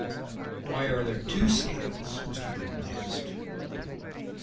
"Why are there two scales?" Mr. Britton asked.